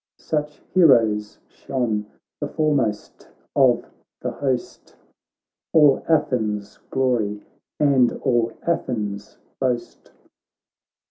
Such heroes shone the foremost of the host, All Athens' glory and all Athens' boast.